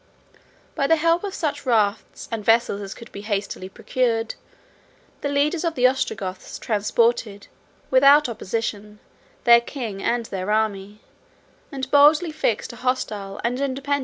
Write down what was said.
By the help of such rafts and vessels as could be hastily procured, the leaders of the Ostrogoths transported, without opposition, their king and their army; and boldly fixed a hostile and independent camp on the territories of the empire.